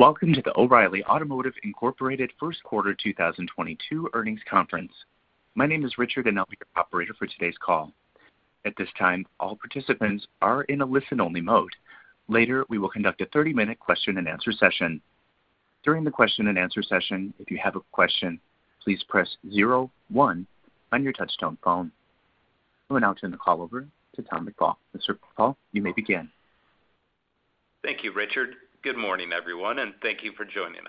Welcome to the O'Reilly Automotive, Inc. First 2022 Earnings Conference. My name is Rick, and I'll be your operator for today's call. At this time, all participants are in a listen-only mode. Later, we will conduct a 30-minute question-and-answer session. During the question-and-answer session, if you have a question, please press zero one on your touchtone phone. I will now turn the call over to Tom McFall. Mr. McFall, you may begin. Thank you, Rick Good morning, everyone, and thank you for joining.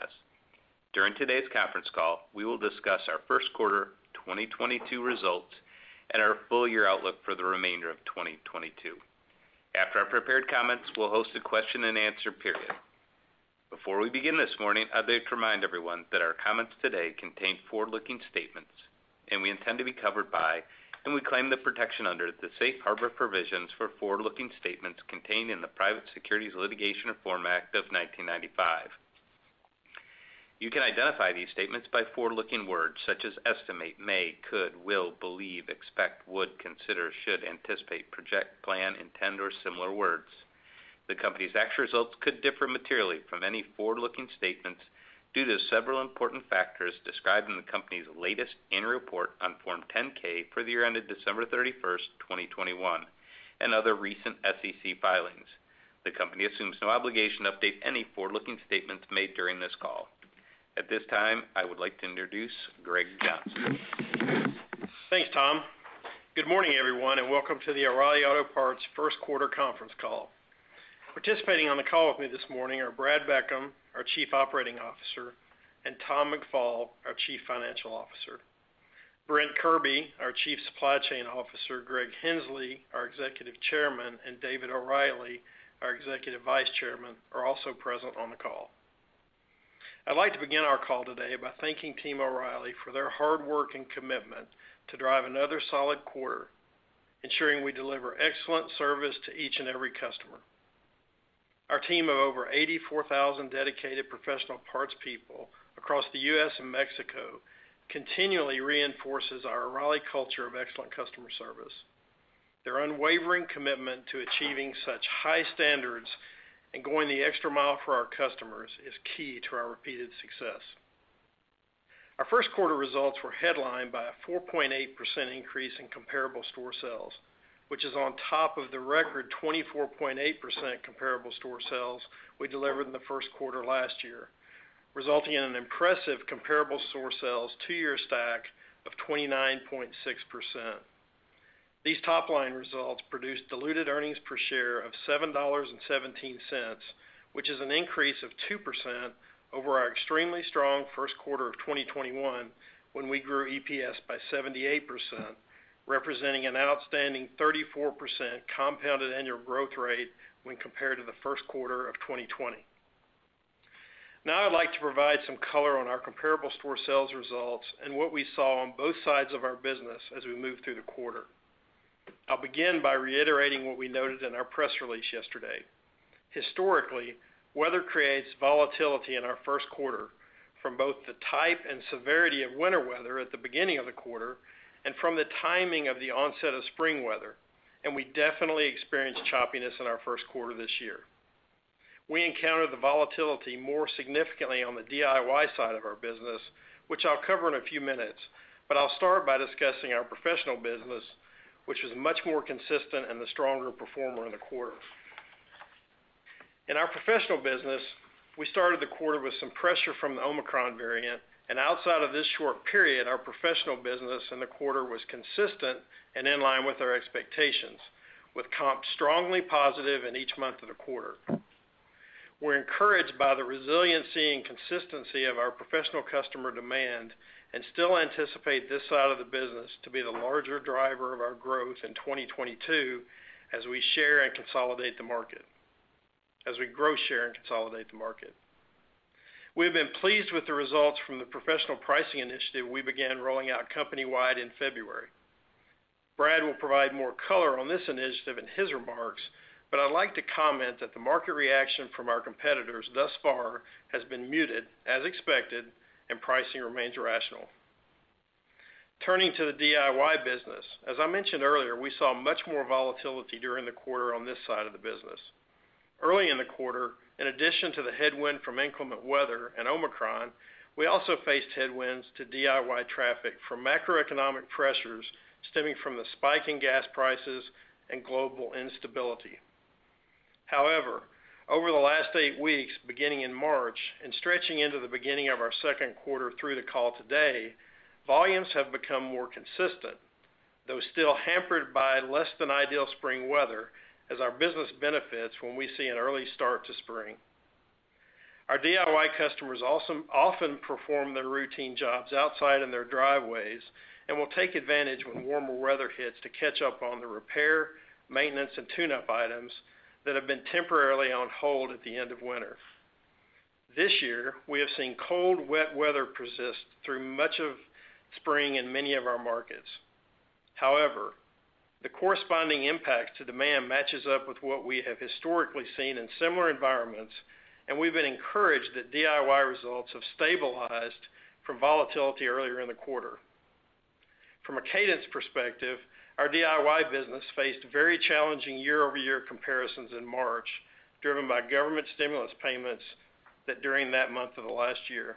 During today's conference call, we will discuss our Q1 2022 results and our full- outlook for the remainder of 2022. After our prepared comments, we'll host a question-and-answer period. Before we begin this morning, I'd like to remind everyone that our comments today contain forward-looking statements, and we intend to be covered by, and we claim the protection under the safe harbor provisions for forward-looking statements contained in the Private Securities Litigation Reform Act of 1995. You can identify these statements by forward-looking words such as estimate, may, could, will, believe, expect, would, consider, should, anticipate, project, plan, intend, or similar words. The company's actual results could differ materially from any forward-looking statements due to several important factors described in the company's latest annual report on Form 10-K for the year ended December 31st, 2021, and other recent SEC filings. The company assumes no obligation to update any forward-looking statements made during this call. At this time, I would like to introduce Greg Johnson. Thanks, Tom. Good morning, everyone, and welcome to the O'Reilly Auto Parts Q1 conference call. Participating on the call with me this morning are Brad Beckham, our Chief Operating Officer, and Tom McFall, our Chief Financial Officer. Brent Kirby, our Chief Supply Chain Officer, Greg Henslee, our Executive Chairman, and David O'Reilly, our Executive Vice Chairman, are also present on the call. I'd like to begin our call today by thanking Team O'Reilly for their hard work and commitment to drive another solid quarter, ensuring we deliver excellent service to each and every customer. Our team of over 84,000 dedicated professional parts people across the U.S. and Mexico continually reinforces our O'Reilly culture of excellent customer service. Their unwavering commitment to achieving such high standards and going the extra mile for our customers is key to our repeated success. Our Q1 results were headlined by a 4.8% increase in comparable store sales, which is on top of the record 24.8% comparable store sales we delivered in the Q1 last year, resulting in an impressive comparable store sales two-year stack of 29.6%. These top-line results produced diluted earnings per share of $7.17, which is an increase of 2% over our extremely strong Q1 of 2021, when we grew EPS by 78%, representing an outstanding 34% compounded annual growth rate when compared to the Q1 of 2020. Now I'd like to provide some color on our comparable store sales results and what we saw on both sides of our business as we moved through the quarter. I'll begin by reiterating what we noted in our press release yesterday. Historically, weather creates volatility in our Q1 from both the type and severity of winter weather at the beginning of the quarter and from the timing of the onset of spring weather, and we definitely experienced choppiness in our Q1 this year. We encountered the volatility more significantly on the DIY side of our business, which I'll cover in a few minutes, but I'll start by discussing our professional business, which is much more consistent and the stronger performer in the quarter. In our professional business, we started the quarter with some pressure from the Omicron variant, and outside of this short period, our professional business in the quarter was consistent and in line with our expectations, with comps strongly positive in each month of the quarter. We're encouraged by the resiliency and consistency of our professional customer demand and still anticipate this side of the business to be the larger driver of our growth in 2022 as we grow, share, and consolidate the market. We've been pleased with the results from the professional pricing initiative we began rolling out company-wide in February. Brad will provide more color on this initiative in his remarks, but I'd like to comment that the market reaction from our competitors thus far has been muted, as expected, and pricing remains rational. Turning to the DIY business, as I mentioned earlier, we saw much more volatility during the quarter on this side of the business. Early in the quarter, in addition to the headwind from inclement weather and Omicron, we also faced headwinds to DIY traffic from macroeconomic pressures stemming from the spike in gas prices and global instability. However, over the last eight weeks, beginning in March and stretching into the beginning of our Q2 through the call today, volumes have become more consistent, though still hampered by less than ideal spring weather as our business benefits when we see an early start to spring. Our DIY customers also often perform their routine jobs outside in their driveways and will take advantage when warmer weather hits to catch up on the repair, maintenance, and tune-up items that have been temporarily on hold at the end of winter. This year, we have seen cold, wet weather persist through much of spring in many of our markets. However, the corresponding impact to demand matches up with what we have historically seen in similar environments, and we've been encouraged that DIY results have stabilized from volatility earlier in the quarter. From a cadence perspective, our DIY business faced very challenging year-over-year comparisons in March, driven by government stimulus payments that during that month of the last year.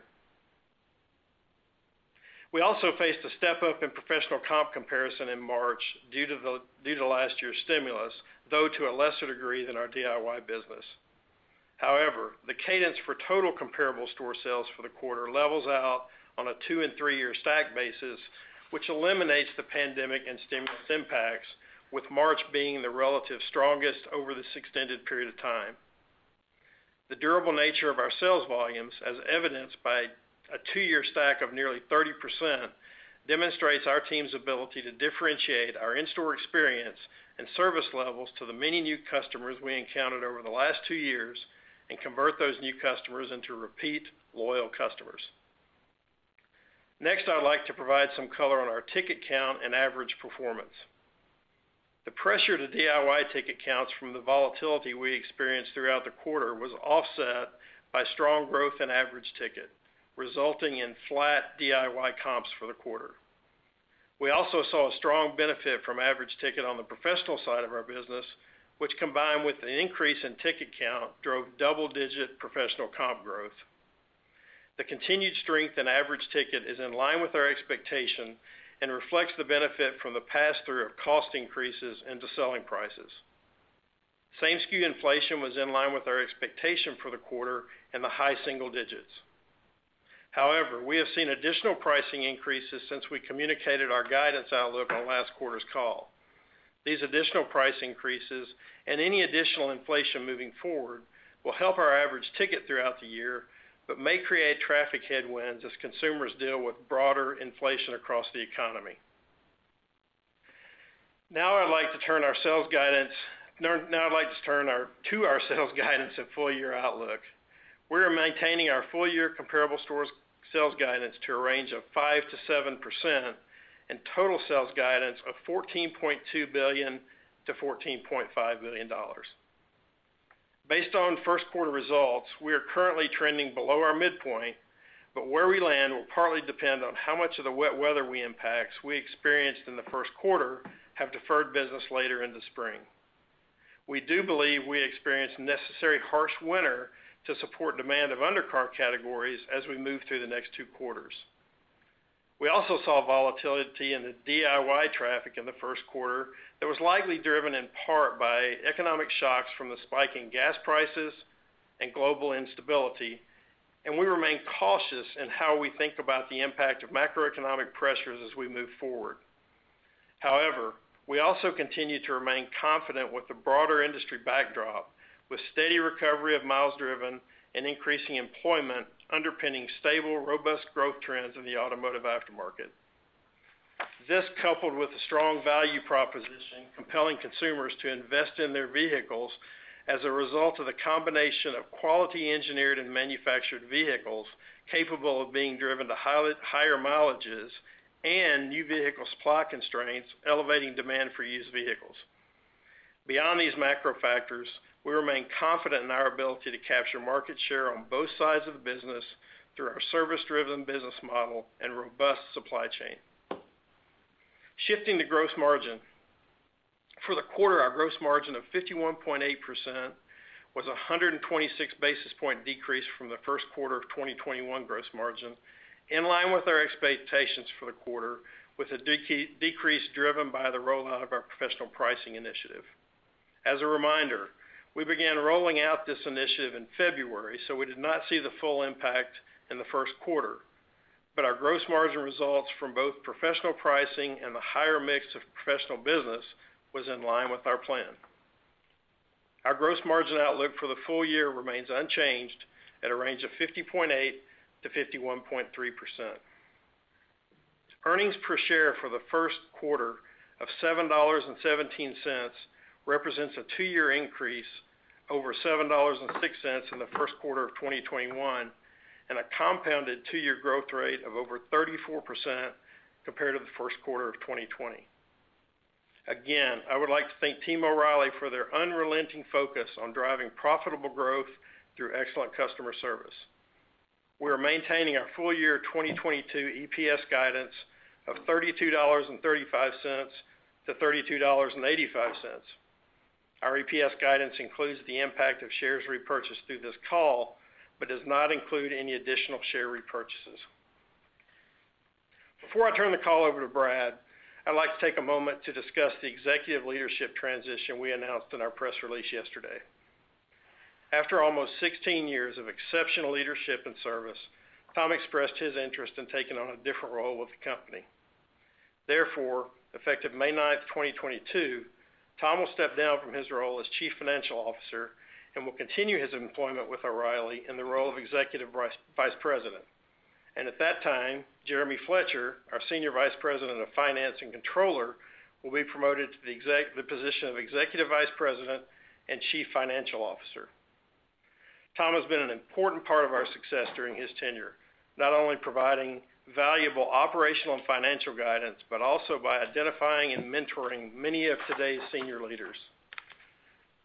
We also faced a step-up in professional comp comparison in March due to last year's stimulus, though to a lesser degree than our DIY business. However, the cadence for total comparable store sales for the quarter levels out on a two and three-year stack basis, which eliminates the pandemic and stimulus impacts, with March being the relative strongest over this extended period of time. The durable nature of our sales volumes, as evidenced by a two-year stack of nearly 30%, demonstrates our team's ability to differentiate our in-store experience and service levels to the many new customers we encountered over the last two years and convert those new customers into repeat, loyal customers. Next, I'd like to provide some color on our ticket count and average performance. The pressure to DIY ticket counts from the volatility we experienced throughout the quarter was offset by strong growth in average ticket, resulting in flat DIY comps for the quarter. We also saw a strong benefit from average ticket on the professional side of our business, which combined with an increase in ticket count drove double-digit professional comp growth. The continued strength in average ticket is in line with our expectation and reflects the benefit from the pass-through of cost increases into selling prices. Same-SKU inflation was in line with our expectation for the quarter in the high single digits. However, we have seen additional pricing increases since we communicated our guidance outlook on last quarter's call. These additional price increases and any additional inflation moving forward will help our average ticket throughout the year, but may create traffic headwinds as consumers deal with broader inflation across the economy. Now I'd like to turn to our sales guidance and full-year outlook. We are maintaining our full-year comparable stores sales guidance to a range of 5%-7% and total sales guidance of $14.2 billion-$14.5 billion. Based on Q1 results, we are currently trending below our midpoint, but where we land will partly depend on how much of the wet weather impacts we experienced in the Q1 have deferred business later in the spring. We do believe we experienced the harsh winter necessary to support demand in undercar categories as we move through the next two quarters. We also saw volatility in the DIY traffic in the Q1 that was likely driven in part by economic shocks from the spike in gas prices and global instability, and we remain cautious in how we think about the impact of macroeconomic pressures as we move forward. However, we also continue to remain confident with the broader industry backdrop, with steady recovery of miles driven and increasing employment underpinning stable, robust growth trends in the automotive aftermarket. This coupled with a strong value proposition compelling consumers to invest in their vehicles as a result of the combination of quality engineered and manufactured vehicles capable of being driven to higher mileages and new vehicles' lot constraints elevating demand for used vehicles. Beyond these macro factors, we remain confident in our ability to capture market share on both sides of the business through our service-driven business model and robust supply chain. Shifting to gross margin. For the quarter, our gross margin of 51.8% was a 126 basis point decrease from the Q1 of 2021 gross margin, in line with our expectations for the quarter, with a decrease driven by the rollout of our professional pricing initiative. As a reminder, we began rolling out this initiative in February, so we did not see the full impact in the Q1but our gross margin results from both professional pricing and the higher mix of professional business was in line with our plan. Our gross margin outlook for the full year remains unchanged at a range of 50.8%-51.3%. Earnings per share for the Q1 of $7.17 represents a two-year increase over $7.06 in the Q1 of 2021, and a compounded two-year growth rate of over 34% compared to the Q1 of 2020. Again, I would like to thank Team O'Reilly for their unrelenting focus on driving profitable growth through excellent customer service. We are maintaining our full-year 2022 EPS guidance of $32.35-$32.85. Our EPS guidance includes the impact of shares repurchased through this call, but does not include any additional share repurchases. Before I turn the call over to Brad, I'd like to take a moment to discuss the executive leadership transition we announced in our press release yesterday. After almost sixteen years of exceptional leadership and service, Tom expressed his interest in taking on a different role with the company. Therefore, effective May ninth, 2022, Tom will step down from his role as Chief Financial Officer and will continue his employment with O'Reilly in the role of Executive Vice President. At that time, Jeremy Fletcher, our Senior Vice President of Finance and Controller, will be promoted to the position of Executive Vice President and Chief Financial Officer. Tom has been an important part of our success during his tenure, not only providing valuable operational and financial guidance, but also by identifying and mentoring many of today's senior leaders.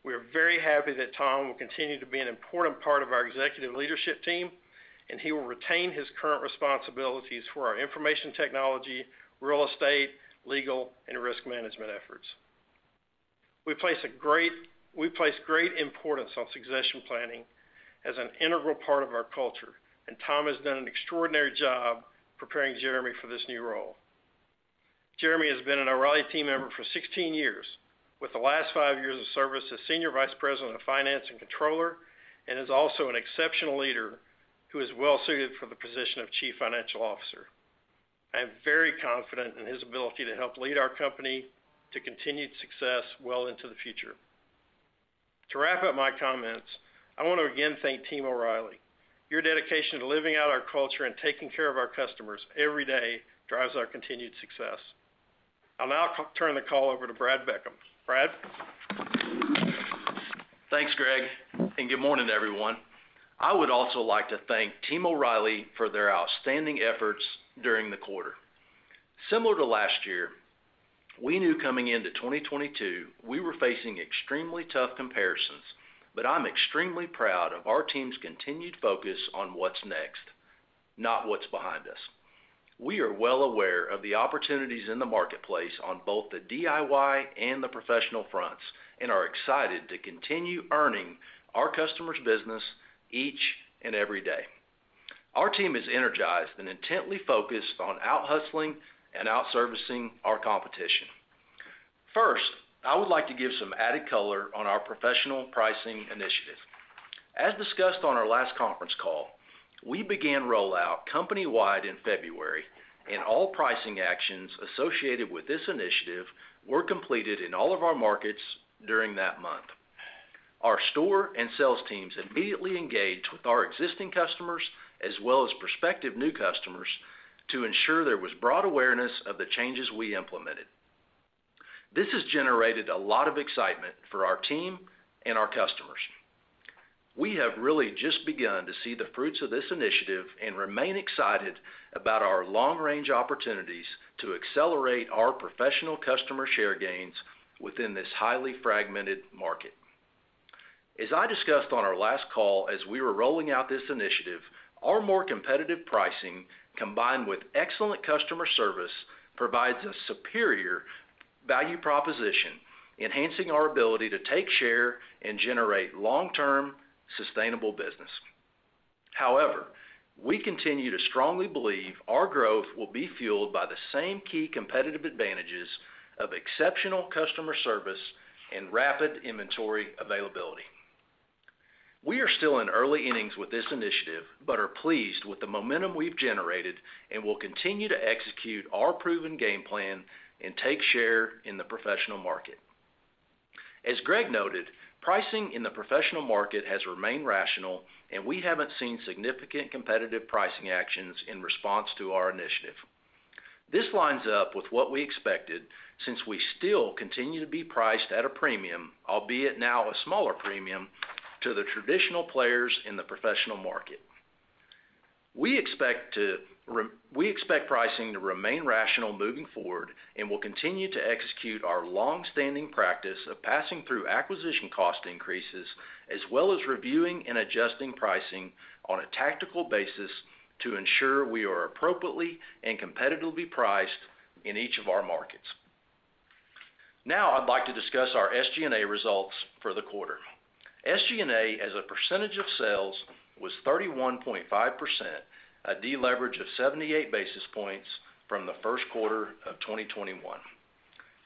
We are very happy that Tom will continue to be an important part of our executive leadership team, and he will retain his current responsibilities for our information technology, real estate, legal and risk management efforts. We place great importance on succession planning as an integral part of our culture, and Tom has done an extraordinary job preparing Jeremy for this new role. Jeremy has been an O'Reilly team member for 16 years, with the last five years of service as Senior Vice President of Finance and Controller, and is also an exceptional leader who is well suited for the position of Chief Financial Officer. I am very confident in his ability to help lead our company to continued success well into the future. To wrap up my comments, I wanna again thank Team O'Reilly. Your dedication to living out our culture and taking care of our customers every day drives our continued success. I'll now turn the call over to Bret Beckham. Bret? Thanks, Greg, and good morning, everyone. I would also like to thank Team O'Reilly for their outstanding efforts during the quarter. Similar to last year, we knew coming into 2022 we were facing extremely tough comparisons, but I'm extremely proud of our team's continued focus on what's next, not what's behind us. We are well aware of the opportunities in the marketplace on both the DIY and the professional fronts, and are excited to continue earning our customers' business each and every day. Our team is energized and intently focused on out-hustling and out-servicing our competition. First, I would like to give some added color on our professional pricing initiative. As discussed on our last conference call, we began rollout company-wide in February, and all pricing actions associated with this initiative were completed in all of our markets during that month. Our store and sales teams immediately engaged with our existing customers as well as prospective new customers to ensure there was broad awareness of the changes we implemented. This has generated a lot of excitement for our team and our customers. We have really just begun to see the fruits of this initiative and remain excited about our long-range opportunities to accelerate our professional customer share gains within this highly fragmented market. As I discussed on our last call as we were rolling out this initiative, our more competitive pricing, combined with excellent customer service, provides a superior value proposition, enhancing our ability to take share and generate long-term sustainable business. However, we continue to strongly believe our growth will be fueled by the same key competitive advantages of exceptional customer service and rapid inventory availability. We are still in early innings with this initiative, but are pleased with the momentum we've generated and will continue to execute our proven game plan and take share in the professional market. As Greg noted, pricing in the professional market has remained rational, and we haven't seen significant competitive pricing actions in response to our initiative. This lines up with what we expected since we still continue to be priced at a premium, albeit now a smaller premium, to the traditional players in the professional market. We expect pricing to remain rational moving forward and will continue to execute our long-standing practice of passing through acquisition cost increases as well as reviewing and adjusting pricing on a tactical basis to ensure we are appropriately and competitively priced in each of our markets. Now I'd like to discuss our SG&A results for the quarter. SG&A as a percentage of sales was 31.5%, a deleverage of 78 basis points from the Q1 of 2021.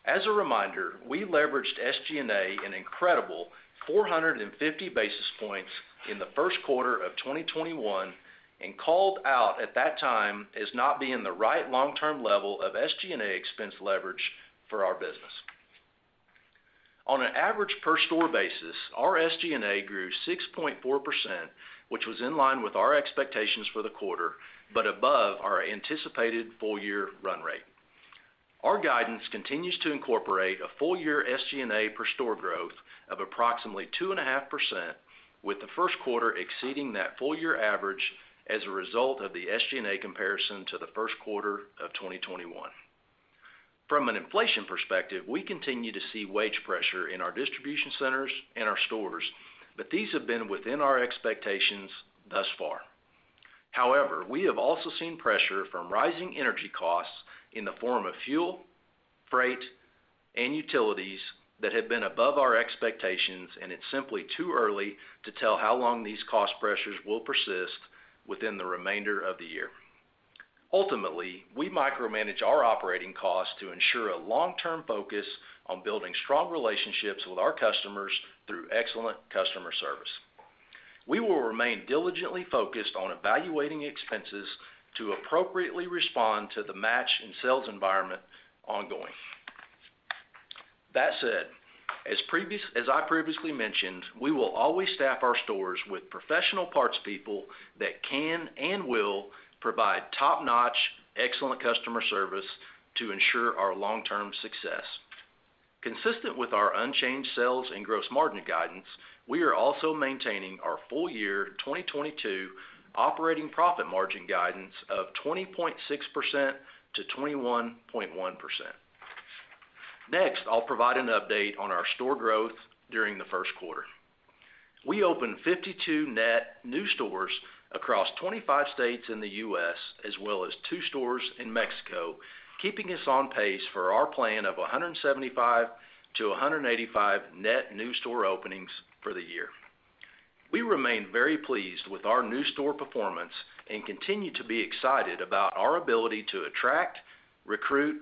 As a reminder, we leveraged SG&A an incredible 450 basis points in the Q1 of 2021 and called out at that time as not being the right long-term level of SG&A expense leverage for our business. On an average per store basis, our SG&A grew 6.4%, which was in line with our expectations for the quarter, but above our anticipated full year run rate. Our guidance continues to incorporate a full year SG&A per store growth of approximately 2.5%, with the Q1 exceeding that full year average as a result of the SG&A comparison to the Q1 of 2021. From an inflation perspective, we continue to see wage pressure in our distribution centers and our stores, but these have been within our expectations thus far. However, we have also seen pressure from rising energy costs in the form of fuel, freight, and utilities that have been above our expectations, and it's simply too early to tell how long these cost pressures will persist within the remainder of the year. Ultimately, we micromanage our operating costs to ensure a long-term focus on building strong relationships with our customers through excellent customer service. We will remain diligently focused on evaluating expenses to appropriately respond to the market and sales environment ongoing. That said, as I previously mentioned, we will always staff our stores with professional parts people that can and will provide top-notch excellent customer service to ensure our long-term success. Consistent with our unchanged sales and gross margin guidance, we are also maintaining our full year 2022 operating profit margin guidance of 20.6%-21.1%. Next, I'll provide an update on our store growth during the Q1. We opened 52 net new stores across 25 states in the U.S. as well as 2 stores in Mexico, keeping us on pace for our plan of 175-185 net new store openings for the year. We remain very pleased with our new store performance and continue to be excited about our ability to attract, recruit,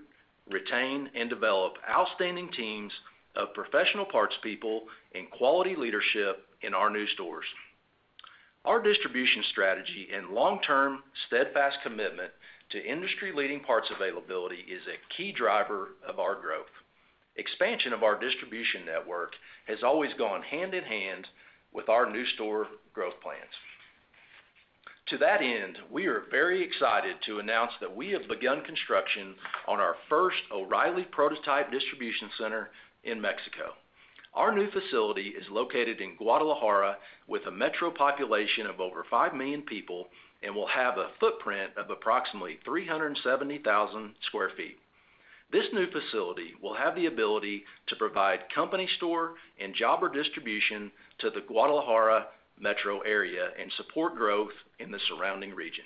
retain, and develop outstanding teams of professional parts people and quality leadership in our new stores. Our distribution strategy and long-term, steadfast commitment to industry-leading parts availability is a key driver of our growth. Expansion of our distribution network has always gone hand in hand with our new store growth plans. To that end, we are very excited to announce that we have begun construction on our first O'Reilly prototype distribution center in Mexico. Our new facility is located in Guadalajara with a metro population of over 5 million people and will have a footprint of approximately 370,000 sq ft. This new facility will have the ability to provide company stores and jobber distribution to the Guadalajara metro area and support growth in the surrounding region.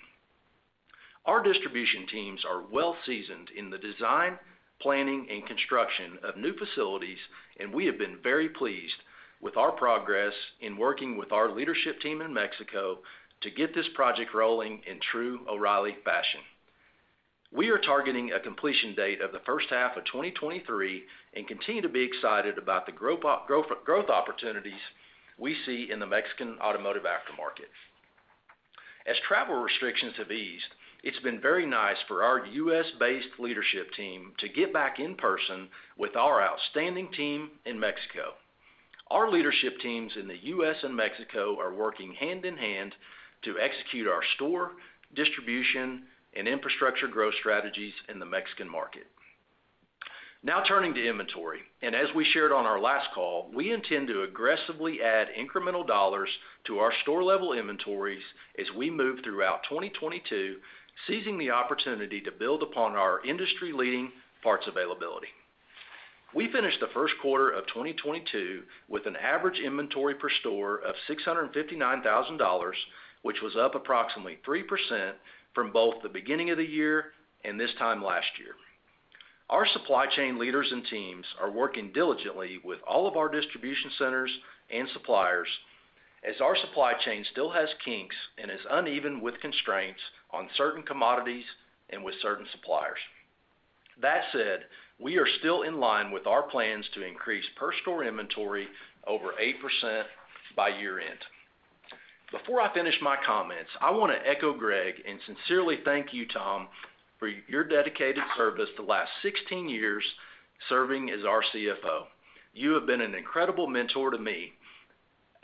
Our distribution teams are well seasoned in the design, planning, and construction of new facilities, and we have been very pleased with our progress in working with our leadership team in Mexico to get this project rolling in true O'Reilly fashion. We are targeting a completion date of the first half of 2023 and continue to be excited about the growth opportunities we see in the Mexican automotive aftermarket. As travel restrictions have eased, it's been very nice for our U.S.-based leadership team to get back in person with our outstanding team in Mexico. Our leadership teams in the U.S. and Mexico are working hand in hand to execute our store, distribution, and infrastructure growth strategies in the Mexican market. Now turning to inventory, and as we shared on our last call, we intend to aggressively add incremental dollars to our store-level inventories as we move throughout 2022, seizing the opportunity to build upon our industry-leading parts availability. We finished the Q1 of 2022 with an average inventory per store of $659,000, which was up approximately 3% from both the beginning of the year and this time last year. Our supply chain leaders and teams are working diligently with all of our distribution centers and suppliers as our supply chain still has kinks and is uneven with constraints on certain commodities and with certain suppliers. That said, we are still in line with our plans to increase per store inventory over 8% by year-end. Before I finish my comments, I want to echo Greg and sincerely thank you, Tom, for your dedicated service the last 16 years serving as our CFO. You have been an incredible mentor to me,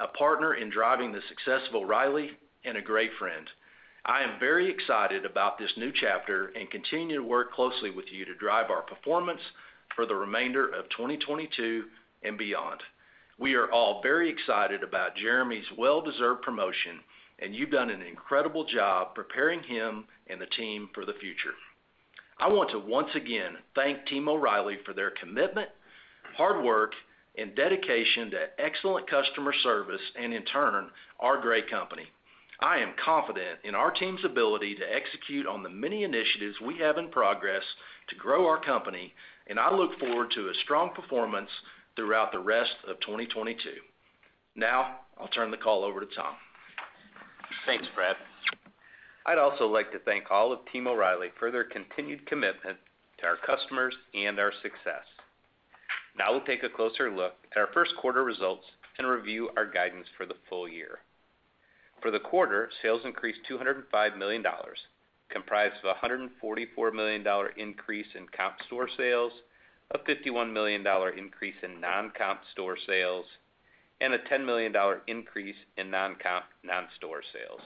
a partner in driving the success of O'Reilly, and a great friend. I am very excited about this new chapter and continue to work closely with you to drive our performance for the remainder of 2022 and beyond. We are all very excited about Jeremy's well-deserved promotion, and you've done an incredible job preparing him and the team for the future. I want to once again thank Team O'Reilly for their commitment, hard work, and dedication to excellent customer service and, in turn, our great company. I am confident in our team's ability to execute on the many initiatives we have in progress to grow our company, and I look forward to a strong performance throughout the rest of 2022. Now, I'll turn the call over to Tom. Thanks, Brad. I'd also like to thank all of Team O'Reilly for their continued commitment to our customers and our success. Now we'll take a closer look at our Q1 results and review our guidance for the full year. For the quarter, sales increased $205 million, comprised of a $144 million increase in comp store sales, a $51 million increase in non-comp store sales, and a $10 million increase in non-comp non-store sales.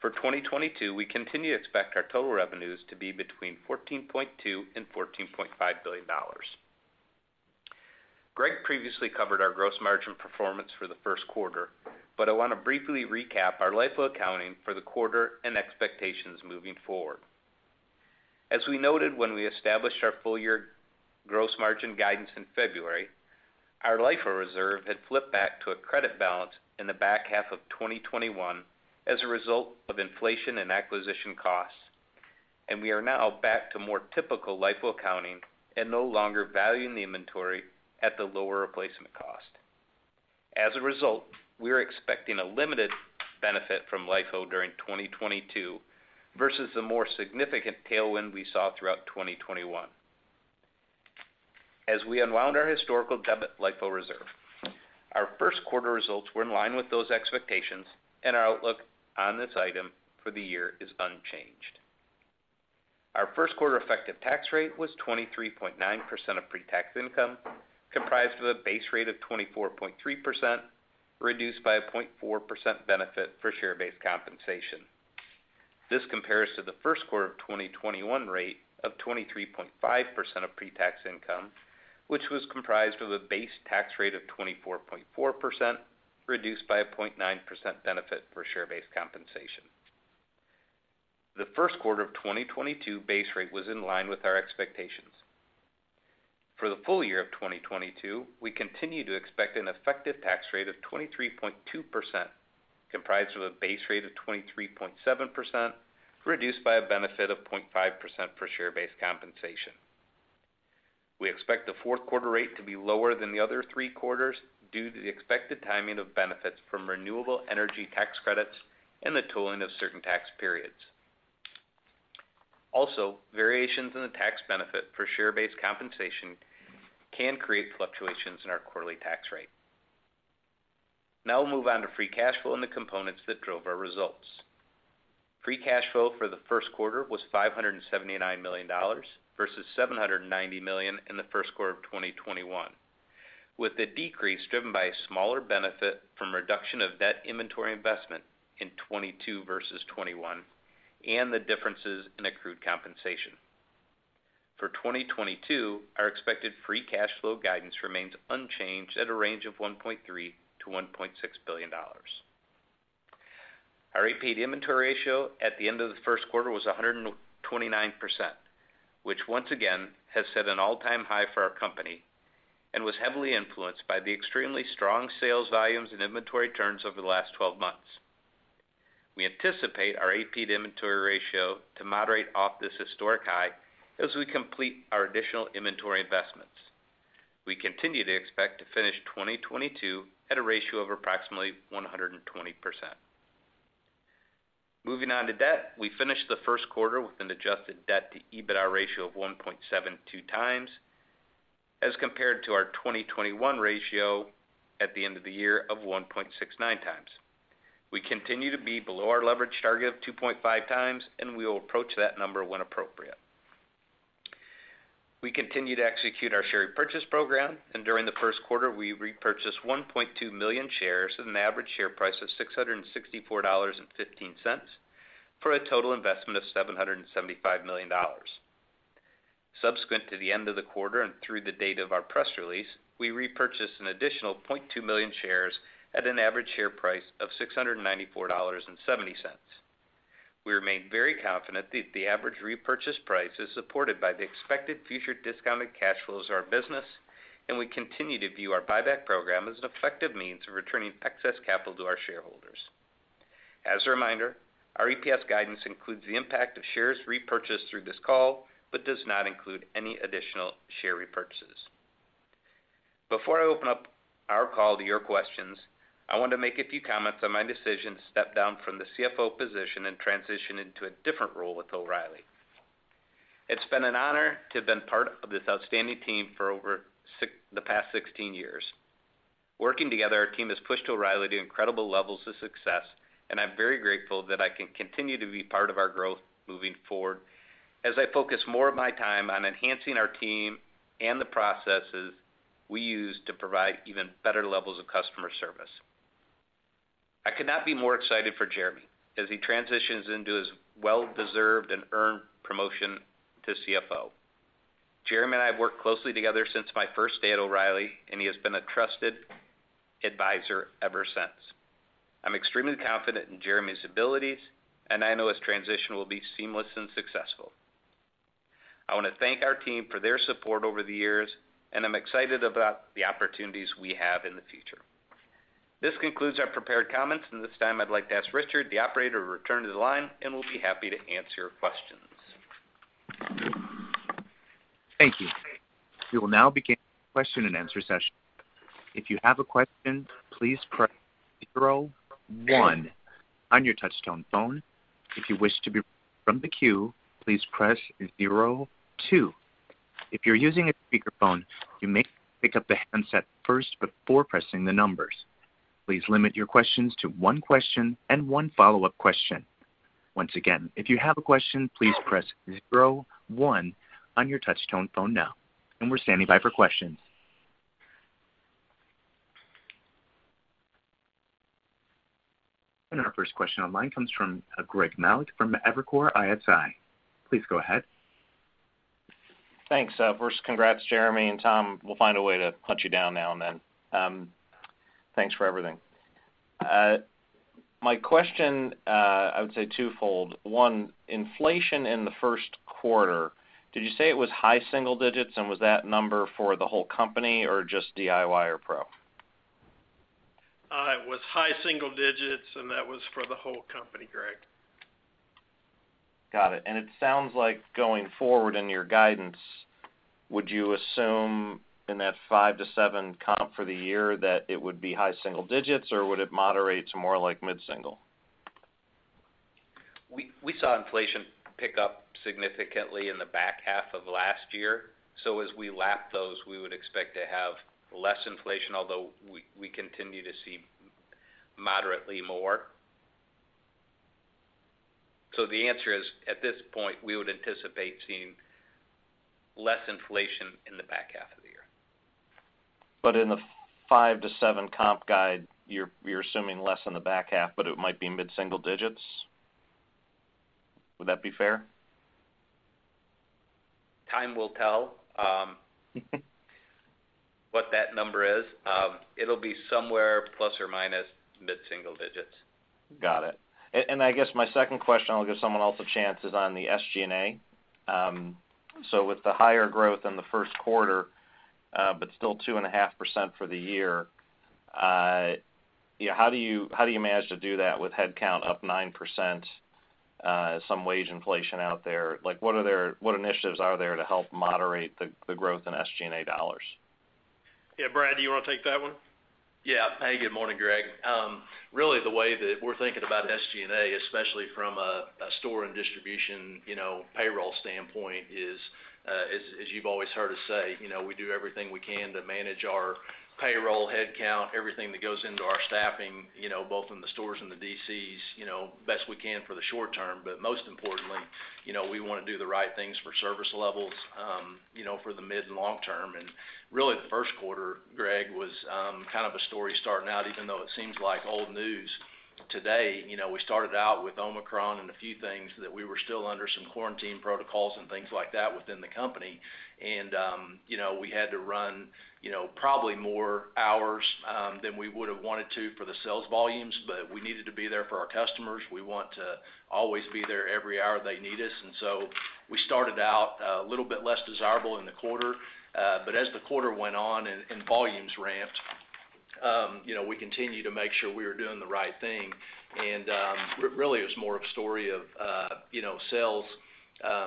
For 2022, we continue to expect our total revenues to be between $14.2 billion and $14.5 billion. Greg previously covered our gross margin performance for the Q1, but I want to briefly recap our LIFO accounting for the quarter and expectations moving forward. As we noted when we established our full year gross margin guidance in February, our LIFO reserve had flipped back to a credit balance in the back half of 2021 as a result of inflation and acquisition costs, and we are now back to more typical LIFO accounting and no longer valuing the inventory at the lower replacement cost. As a result, we are expecting a limited benefit from LIFO during 2022 versus the more significant tailwind we saw throughout 2021. As we unwound our historical debit LIFO reserve, our Q1 results were in line with those expectations, and our outlook on this item for the year is unchanged. Our Q1 effective tax rate was 23.9% of pre-tax income, comprised of a base rate of 24.3%, reduced by a 0.4% benefit for share-based compensation. This compares to the Q1 of 2021 rate of 23.5% of pre-tax income, which was comprised of a base tax rate of 24.4%, reduced by a 0.9% benefit for share-based compensation. The Q1 of 2022 base rate was in line with our expectations. For the full year of 2022, we continue to expect an effective tax rate of 23.2%, comprised of a base rate of 23.7%, reduced by a benefit of 0.5% for share-based compensation. We expect the Q4 rate to be lower than the other three quarters due to the expected timing of benefits from renewable energy tax credits and the true-up of certain tax periods. Also, variations in the tax benefit for share-based compensation can create fluctuations in our quarterly tax rate. Now we'll move on to free cash flow and the components that drove our results. Free cash flow for the Q1 was $579 million versus $790 million in the Q1 of 2021, with the decrease driven by a smaller benefit from reduction of debt inventory investment in 2022 versus 2021 and the differences in accrued compensation. For 2022, our expected free cash flow guidance remains unchanged at a range of $1.3 billion-$1.6 billion. Our AP to inventory ratio at the end of the Q1 was 129%, which once again has set an all-time high for our company and was heavily influenced by the extremely strong sales volumes and inventory turns over the last twelve months. We anticipate our AP to inventory ratio to moderate off this historic high as we complete our additional inventory investments. We continue to expect to finish 2022 at a ratio of approximately 120%. Moving on to debt. We finished the Q1 with an adjusted debt-to-EBITDA ratio of 1.72 times as compared to our 2021 ratio at the end of the year of 1.69 times. We continue to be below our leverage target of 2.5 times, and we will approach that number when appropriate. We continue to execute our share repurchase program, and during the Q1, we repurchased 1.2 million shares at an average share price of $664.15 for a total investment of $775 million. Subsequent to the end of the quarter and through the date of our press release, we repurchased an additional 0.2 million shares at an average share price of $694.70. We remain very confident that the average repurchase price is supported by the expected future discounted cash flows of our business, and we continue to view our buyback program as an effective means of returning excess capital to our shareholders. As a reminder, our EPS guidance includes the impact of shares repurchased through this call but does not include any additional share repurchases. Before I open up our call to your questions, I want to make a few comments on my decision to step down from the CFO position and transition into a different role with O'Reilly. It's been an honor to have been part of this outstanding team for the past 16 years. Working together, our team has pushed O'Reilly to incredible levels of success, and I'm very grateful that I can continue to be part of our growth moving forward as I focus more of my time on enhancing our team and the processes we use to provide even better levels of customer service. I could not be more excited for Jeremy as he transitions into his well-deserved and earned promotion to CFO. Jeremy and I have worked closely together since my first day at O'Reilly, and he has been a trusted advisor ever since. I'm extremely confident in Jeremy's abilities, and I know his transition will be seamless and successful. I wanna thank our team for their support over the years, and I'm excited about the opportunities we have in the future. This concludes our prepared comments. At this time, I'd like to ask Richard, the operator, to return to the line, and we'll be happy to answer your questions. Thank you. We will now begin the question-and-answer session. If you have a question, please press zero one on your touchtone phone. If you wish to be from the queue, please press zero two. If you're using a speakerphone, you may pick up the handset first before pressing the numbers. Please limit your questions to one question and one follow-up question. Once again, if you have a question, please press zero one on your touchtone phone now. We're standing by for questions. Our first question online comes from Greg Melich from Evercore ISI. Please go ahead. Thanks. First congrats, Jeremy and Tom. We'll find a way to hunt you down now and then. Thanks for everything. My question, I would say twofold. One, inflation in the Q1, did you say it was high single digits? Was that number for the whole company or just DIY or pro? It was high single digits, and that was for the whole company, Greg. Got it. It sounds like going forward in your guidance, would you assume in that 5-7% comp for the year that it would be high single digits%, or would it moderate to more like mid-single%? We saw inflation pick up significantly in the back half of last year. As we lap those, we would expect to have less inflation, although we continue to see moderately more. The answer is, at this point, we would anticipate seeing less inflation in the back half of the year. In the 5-7 comp guide, you're assuming less in the back half, but it might be mid-single digits. Would that be fair? Time will tell what that number is. It'll be somewhere plus or minus mid-single digits. Got it. I guess my second question, I'll give someone else a chance, is on the SG&A. With the higher growth in the Q1, but still 2.5% for the year, you know, how do you manage to do that with headcount up 9%, some wage inflation out there? Like, what initiatives are there to help moderate the growth in SG&A dollars? Yeah. Brad, do you wanna take that one? Yeah. Hey, good morning, Greg. Really the way that we're thinking about SG&A, especially from a store and distribution, payroll standpoint is, as you've always heard us say, we do everything we can to manage our payroll headcount, everything that goes into our staffing, both in the stores and the DCs, best we can for the short term. But most importantly we wanna do the right things for service levels, for the mid and long term. Really the Q1, Greg, was kind of a story starting out, even though it seems like old news today. You know, we started out with Omicron and a few things that we were still under some quarantine protocols and things like that within the company. You know, we had to run, you know, probably more hours, than we would've wanted to for the sales volumes, but we needed to be there for our customers. We want to always be there every hour they need us. we started out, a little bit less desirable in the quarter. but as the quarter went on and volumes ramped, we continued to make sure we were doing the right thing. really it was more of a story of, sales,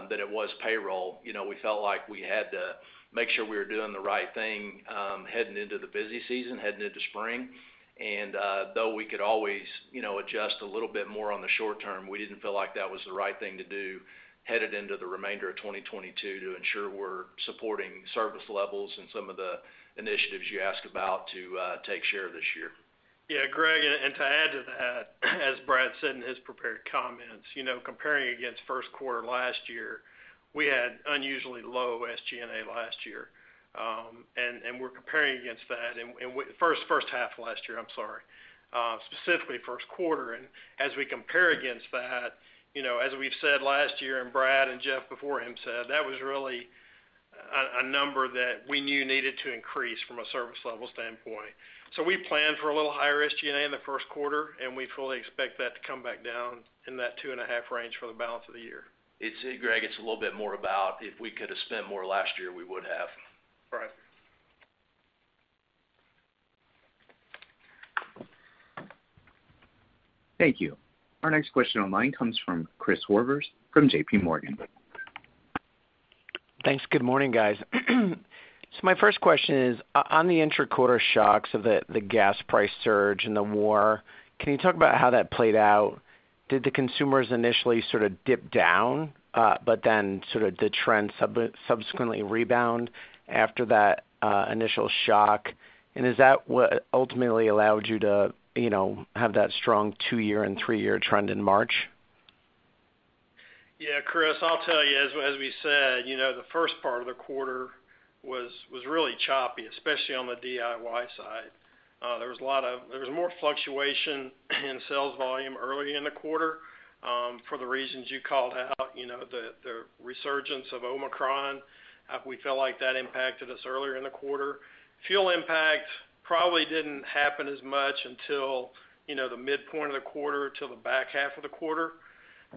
than it was payroll. You know, we felt like we had to make sure we were doing the right thing, heading into the busy season, heading into spring. Though we could always, you know, adjust a little bit more on the short term, we didn't feel like that was the right thing to do headed into the remainder of 2022 to ensure we're supporting service levels and some of the initiatives you asked about to take share this year. Yeah. Greg, to add to that, as Brad said in his prepared comments, you know, comparing against Q1 last year, we had unusually low SG&A last year. We're comparing against that first half last year, specifically Q1. As we compare against that, you know, as we've said last year, and Brad and Jeff before him said, that was really a number that we knew needed to increase from a service level standpoint. We planned for a little higher SG&A in the Q1, and we fully expect that to come back down in that 2.5% range for the balance of the year. Greg, it's a little bit more about if we could have spent more last year, we would have. Right. Thank you. Our next question online comes from Chris Horvers from JP Morgan. Thanks. Good morning, guys. My first question is on the intra-quarter shocks of the gas price surge and the war, can you talk about how that played out? Did the consumers initially sort of dip down, but then sort of the trend subsequently rebound after that initial shock? Is that what ultimately allowed you to, you know, have that strong two-year and three-year trend in March? Yeah. Chris, I'll tell you, as we said, the first part of the quarter was really choppy, especially on the DIY side. There was more fluctuation in sales volume early in the quarter, for the reasons you called out. You know, the resurgence of Omicron, we felt like that impacted us earlier in the quarter. Fuel impact probably didn't happen as much until, the midpoint of the quarter to the back half of the quarter.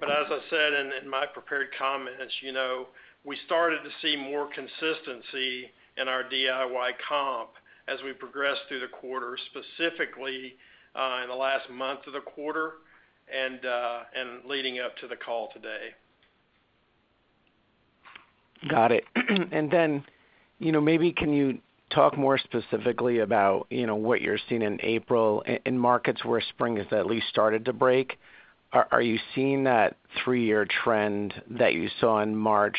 As I said in my prepared comments, we started to see more consistency in our DIY comp as we progressed through the quarter, specifically in the last month of the quarter and leading up to the call today. Got it. Then, you know, maybe can you talk more specifically about, what you're seeing in April in markets where spring has at least started to break? Are you seeing that three-year trend that you saw in March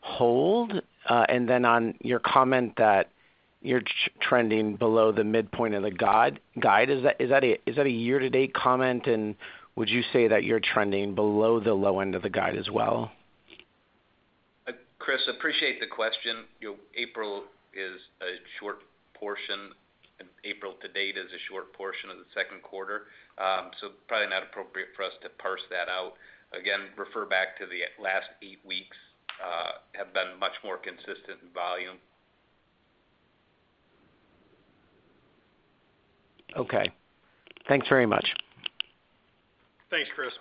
hold? Then on your comment that you're trending below the midpoint of the guide, is that a year-to-date comment? Would you say that you're trending below the low end of the guide as well? Chris, appreciate the question. You know, April is a short portion, and April to date is a short portion of the Q2. So probably not appropriate for us to parse that out. Again, refer back to the last eight weeks, have been much more consistent in volume. Okay. Thanks very much. Thanks, Chris.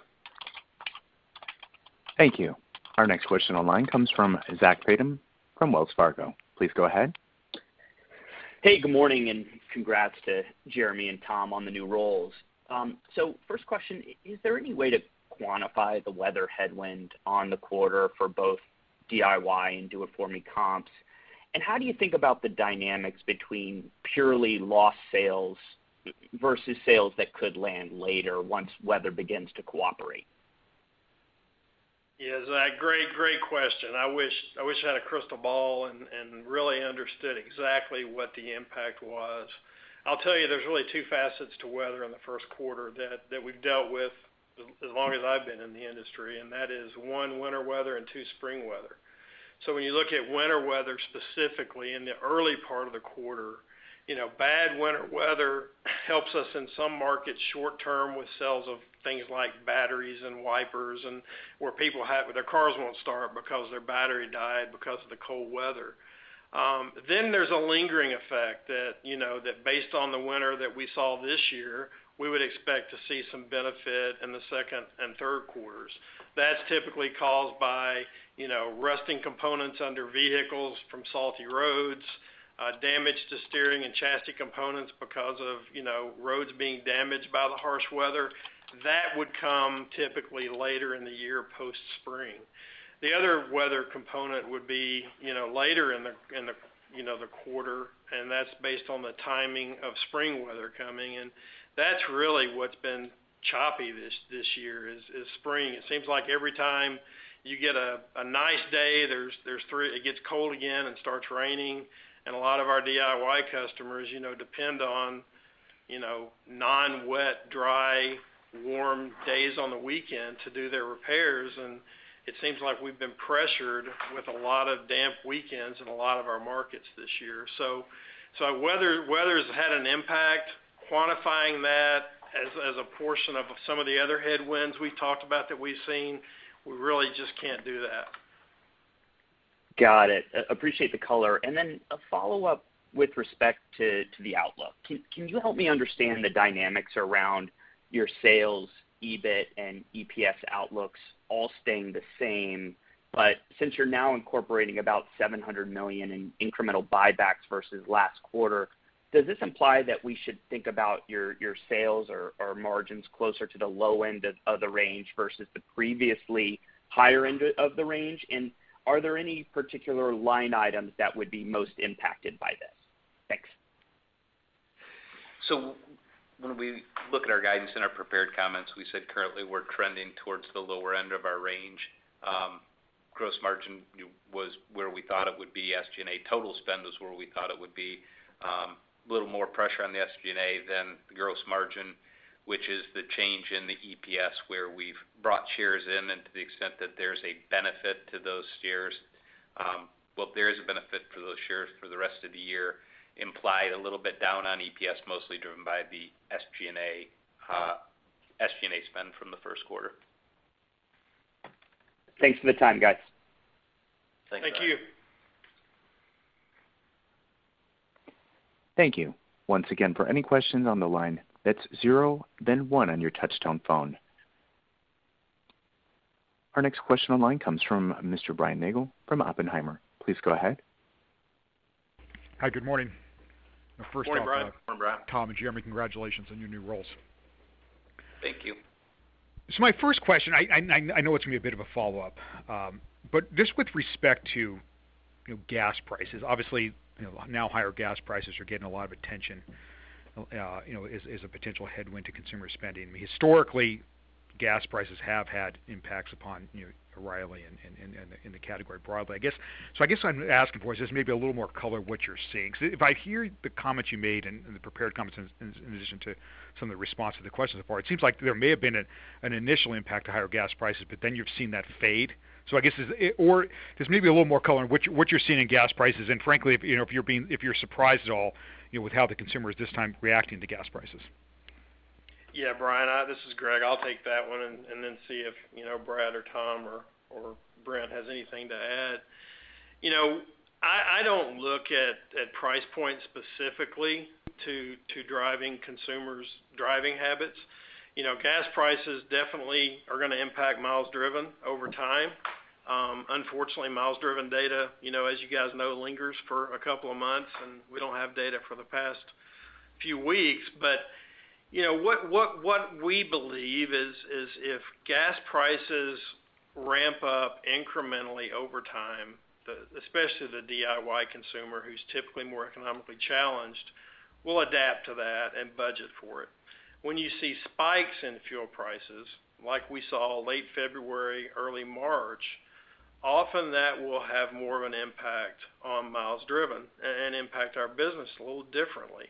Thank you. Our next question online comes from Zachary Fadem from Wells Fargo. Please go ahead. Hey, good morning, and congrats to Jeremy and Tom on the new roles. First question, is there any way to quantify the weather headwind on the quarter for both DIY and Do It for Me comps? How do you think about the dynamics between purely lost sales versus sales that could land later once weather begins to cooperate? Yes, Zach, great question. I wish I had a crystal ball and really understood exactly what the impact was. I'll tell you, there's really two facets to weather in the Q1 that we've dealt with as long as I've been in the industry, and that is, one, winter weather, and two, spring weather. When you look at winter weather specifically in the early part of the quarter, bad winter weather helps us in some markets short term with sales of things like batteries and wipers and where their cars won't start because their battery died because of the cold weather. There's a lingering effect that, that based on the winter that we saw this year, we would expect to see some benefit in the second and Q3s. That's typically caused by, rusting components under vehicles from salty roads, damage to steering and chassis components because of, roads being damaged by the harsh weather. That would come typically later in the year, post-spring. The other weather component would be, later in the quarter, and that's based on the timing of spring weather coming in. That's really what's been choppy this year is spring. It seems like every time you get a nice day, it gets cold again and starts raining. A lot of our DIY customers, depend on, non-wet, dry, warm days on the weekend to do their repairs. It seems like we've been pressured with a lot of damp weekends in a lot of our markets this year. Weather has had an impact. Quantifying that as a portion of some of the other headwinds we talked about that we've seen, we really just can't do that. Got it. Appreciate the color. Then a follow-up with respect to the outlook. Can you help me understand the dynamics around your sales, EBIT and EPS outlooks all staying the same? Since you're now incorporating about $700 million in incremental buybacks versus last quarter, does this imply that we should think about your sales or margins closer to the low end of the range versus the previously higher end of the range? Are there any particular line items that would be most impacted by this? Thanks. When we look at our guidance in our prepared comments, we said currently we're trending towards the lower end of our range. Gross margin was where we thought it would be. SG&A total spend was where we thought it would be. A little more pressure on the SG&A than the gross margin, which is the change in the EPS where we've brought shares in. To the extent that there's a benefit to those shares, well, there is a benefit for those shares for the rest of the year, implied a little bit down on EPS, mostly driven by the SG&A spend from the Q1. Thanks for the time, guys. Thanks. Thank you. Thank you. Once again, for any questions on the line, that's zero then one on your touch-tone phone. Our next question on the line comes from Mr. Brian Nagel from Oppenheimer. Please go ahead. Hi. Good morning. Good morning, Brian. Good morning, Brian. First off, Tom and Jeremy, congratulations on your new roles. Thank you. My first question, I know it's gonna be a bit of a follow-up, but just with respect to, gas prices. Obviously, now higher gas prices are getting a lot of attention, as a potential headwind to consumer spending. Historically, gas prices have had impacts upon, O'Reilly in the category broadly. I guess what I'm asking for is just maybe a little more color what you're seeing. If I hear the comments you made in the prepared comments in addition to some of the response to the questions so far, it seems like there may have been an initial impact to higher gas prices, but then you've seen that fade. Just maybe a little more color on what you're seeing in gas prices, and frankly, if you're surprised at all, with how the consumer is this time reacting to gas prices. Yeah, Brian, this is Greg. I'll take that one and then see if, Brad or Tom or Brent has anything to add. You know, I don't look at price points specifically to driving consumers' driving habits. You know, gas prices definitely are gonna impact miles driven over time. Unfortunately, miles driven data, you know, as you guys know, lingers for a couple of months, and we don't have data for the past few weeks. You know, what we believe is if gas prices ramp up incrementally over time, especially the DIY consumer who's typically more economically challenged, will adapt to that and budget for it. When you see spikes in fuel prices, like we saw late February, early March, often that will have more of an impact on miles driven and impact our business a little differently.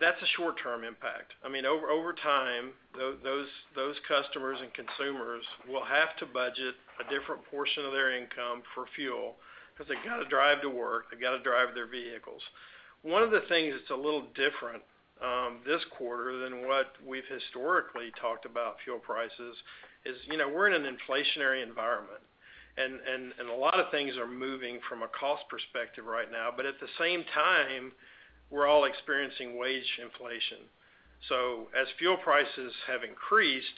That's a short-term impact. I mean, over time, those customers and consumers will have to budget a different portion of their income for fuel 'cause they gotta drive to work, they gotta drive their vehicles. One of the things that's a little different this quarter than what we've historically talked about fuel prices is, we're in an inflationary environment and a lot of things are moving from a cost perspective right now, but at the same time, we're all experiencing wage inflation. As fuel prices have increased,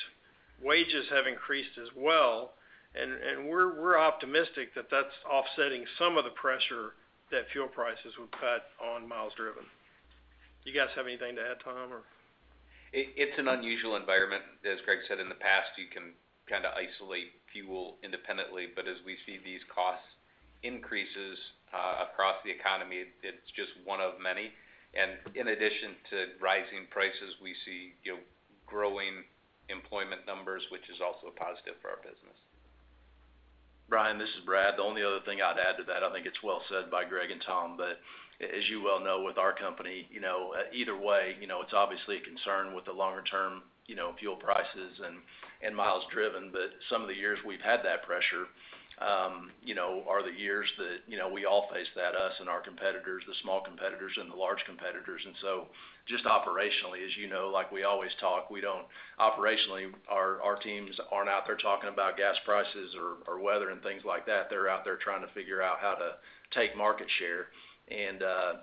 wages have increased as well. We're optimistic that that's offsetting some of the pressure that fuel prices would put on miles driven. Do you guys have anything to add, Tom, or? It's an unusual environment. As Greg said in the past, you can kinda isolate fuel independently. As we see these costs Increases across the economy. It's just one of many. In addition to rising prices, we see, growing employment numbers, which is also a positive for our business. Brian, this is Brad. The only other thing I'd add to that, I think it's well said by Greg and Tom, but as you well know, with our company, either way, it's obviously a concern with the longer term, fuel prices and miles driven. But some of the years we've had that pressure, are the years that, we all face that, us and our competitors, the small competitors and the large competitors. Just operationally, as you know, like we always talk, operationally, our teams aren't out there talking about gas prices or weather and things like that. They're out there trying to figure out how to take market share.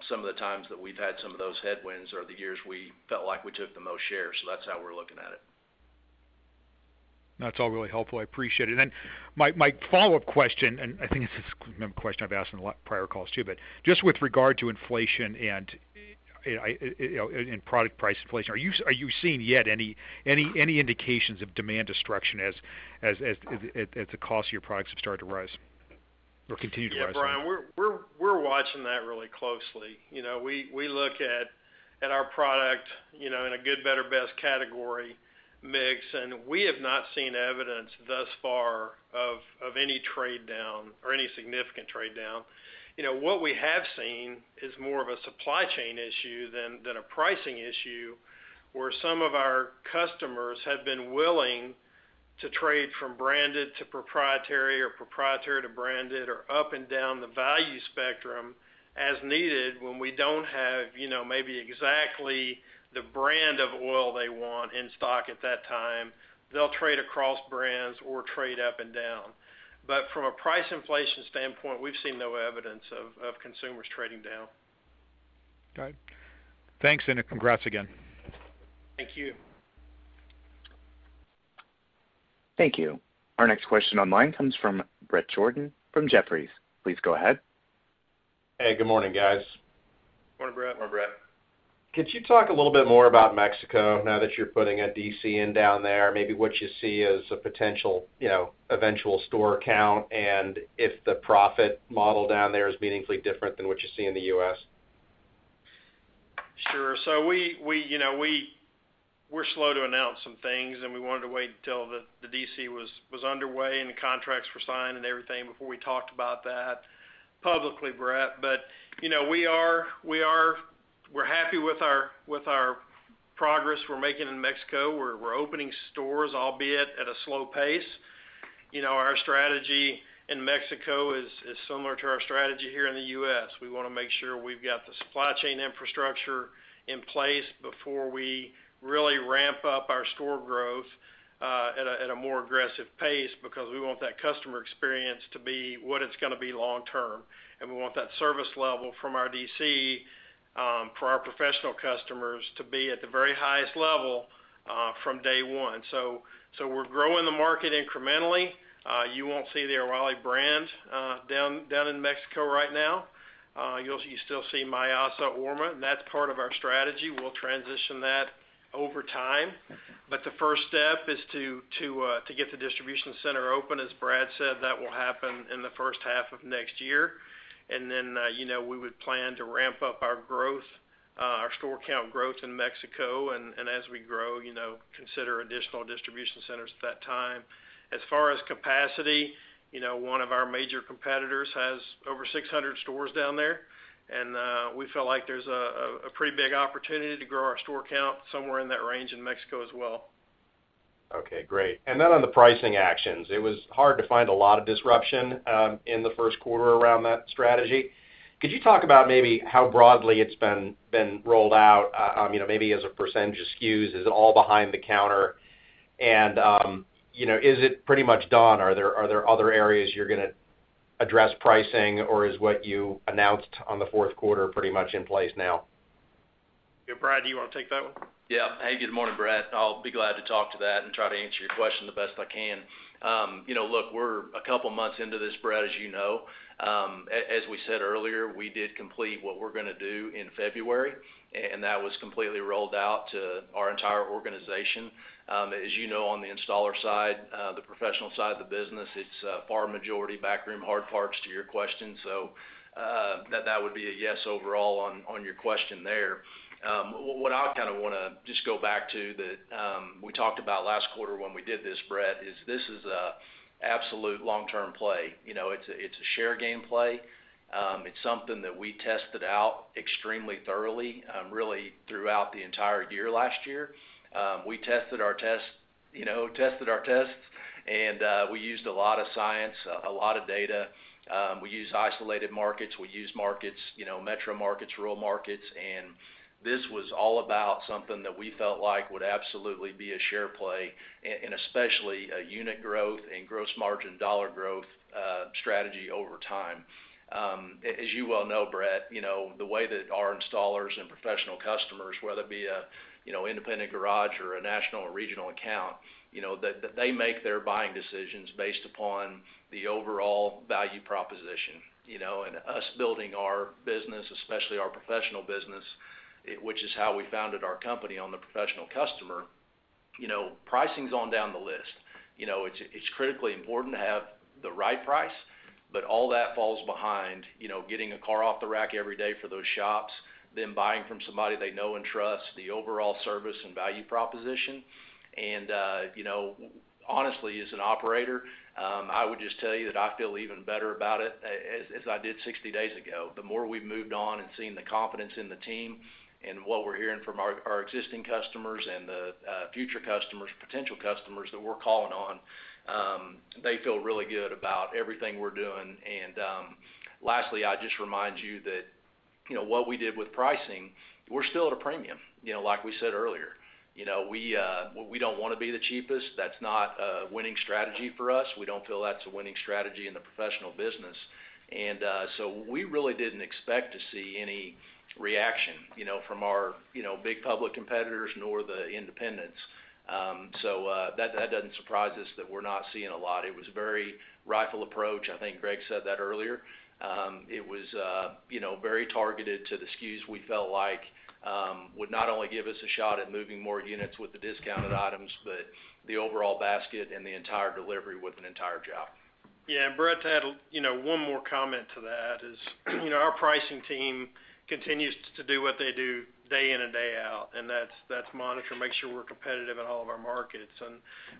Some of the times that we've had some of those headwinds are the years we felt like we took the most shares. That's how we're looking at it. That's all really helpful. I appreciate it. My follow-up question, and I think this is a question I've asked in a lot of prior calls too, but just with regard to inflation and, product price inflation, are you seeing yet any indications of demand destruction as the costs of your products have started to rise or continue to rise? Yeah, Brian, we're watching that really closely. You know, we look at our product, in a good, better, best category mix, and we have not seen evidence thus far of any trade down or any significant trade down. You know, what we have seen is more of a supply chain issue than a pricing issue, where some of our customers have been willing to trade from branded to proprietary or proprietary to branded or up and down the value spectrum as needed when we don't have, maybe exactly the brand of oil they want in stock at that time. They'll trade across brands or trade up and down. But from a price inflation standpoint, we've seen no evidence of consumers trading down. Got it. Thanks, and congrats again. Thank you. Thank you. Our next question online comes from Bret Jordan from Jefferies. Please go ahead. Hey, good morning, guys. Morning, Brett. Morning, Brett. Could you talk a little bit more about Mexico now that you're putting a DC in down there, maybe what you see as a potential, eventual store count, and if the profit model down there is meaningfully different than what you see in the U.S.? We're slow to announce some things, and we wanted to wait until the DC was underway and the contracts were signed and everything before we talked about that publicly, Brett. You know, we're happy with our progress we're making in Mexico. We're opening stores, albeit at a slow pace. You know, our strategy in Mexico is similar to our strategy here in the U.S. We wanna make sure we've got the supply chain infrastructure in place before we really ramp up our store growth at a more aggressive pace because we want that customer experience to be what it's gonna be long term. We want that service level from our DC for our professional customers to be at the very highest level from day one. We're growing the market incrementally. You won't see the O'Reilly brand down in Mexico right now. You'll still see Mayasa, and that's part of our strategy. We'll transition that over time. The first step is to get the distribution center open. As Brad said, that will happen in the first half of next year. You know, we would plan to ramp up our growth, our store count growth in Mexico. As we grow, consider additional distribution centers at that time. As far as capacity, one of our major competitors has over 600 stores down there, and we feel like there's a pretty big opportunity to grow our store count somewhere in that range in Mexico as well. Okay, great. Then on the pricing actions, it was hard to find a lot of disruption in the Q1 around that strategy. Could you talk about maybe how broadly it's been rolled out, maybe as a percentage of SKUs? Is it all behind the counter? You know, is it pretty much done? Are there other areas you're gonna address pricing, or is what you announced on the Q4 pretty much in place now? Yeah, Brad, do you wanna take that one? Yeah. Hey, good morning, Brett. I'll be glad to talk to that and try to answer your question the best I can. Look, we're a couple months into this, Brett, as you know. As we said earlier, we did complete what we're gonna do in February, and that was completely rolled out to our entire organization. As you know, on the installer side, the professional side of the business, it's far majority backroom hard parts to your question. That would be a yes overall on your question there. What I kinda wanna just go back to that we talked about last quarter when we did this, Brett, is this is an absolute long-term play. You know, it's a share gain play. It's something that we tested out extremely thoroughly, really throughout the entire year last year. We tested our tests, tested our tests, and we used a lot of science, a lot of data. We used isolated markets. We used markets, metro markets, rural markets, and this was all about something that we felt like would absolutely be a share play and especially a unit growth and gross margin dollar growth strategy over time. As you well know, Bret, the way that our installers and professional customers, whether it be a, independent garage or a national or regional account they make their buying decisions based upon the overall value proposition. You know, us building our business, especially our professional business, which is how we founded our company on the professional customer. You know, pricing's way down the list. You know, it's critically important to have the right price, but all that falls behind, getting a car off the rack every day for those shops, them buying from somebody they know and trust, the overall service and value proposition. You know, honestly, as an operator, I would just tell you that I feel even better about it as I did 60 days ago. The more we've moved on and seen the confidence in the team and what we're hearing from our existing customers and the future customers, potential customers that we're calling on, they feel really good about everything we're doing. Lastly, I'd just remind you that, what we did with pricing, we're still at a premium, like we said earlier. You know, we don't wanna be the cheapest. That's not a winning strategy for us. We don't feel that's a winning strategy in the professional business. We really didn't expect to see any reaction, from our, big public competitors nor the independents. That doesn't surprise us that we're not seeing a lot. It was a very rightful approach. I think Greg said that earlier. It was very targeted to the SKUs we felt like would not only give us a shot at moving more units with the discounted items, but the overall basket and the entire delivery with an entire job. Yeah. Bret to add, one more comment to that is, our pricing team continues to do what they do day in and day out, and that's monitor and make sure we're competitive in all of our markets.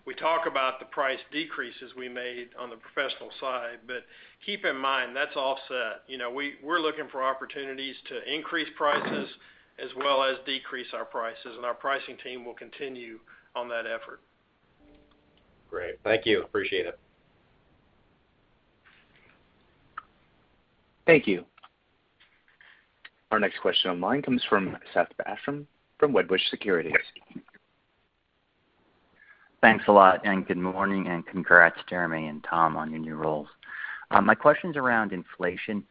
We talk about the price decreases we made on the professional side, but keep in mind, that's offset. You know, we're looking for opportunities to increase prices as well as decrease our prices, and our pricing team will continue on that effort. Great. Thank you. Appreciate it. Thank you. Our next question online comes from Seth Basham from Wedbush Securities. Thanks a lot, and good morning, and congrats Jeremy and Tom on your new roles. My question's around inflation.